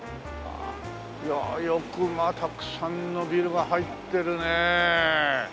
よくまあたくさんのビルが入ってるね。